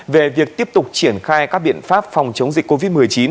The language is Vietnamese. về việc tiếp tục triển khai các biện pháp phòng chống dịch covid một mươi chín